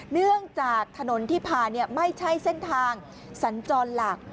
เนื่องจากถนนที่ผ่านไม่ใช่เส้นทางสัญจรหลัก